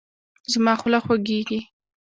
زما خوله خوږیږي